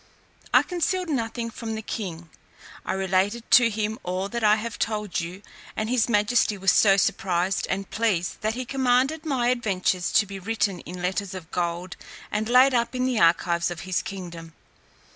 I concealed nothing from the king; I related to him all that I have told you, and his majesty was so surprised and pleased, that he commanded my adventures to be written in letters of gold, and laid up in the archives of his kingdom.